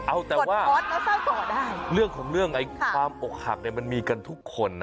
เอาแต่ว่าเรื่องของเรื่องไอ้ความอกหักเนี่ยมันมีกันทุกคนนะ